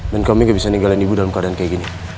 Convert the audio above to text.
dan kamu gak bisa ninggalin ibu dalam keadaan kayak gini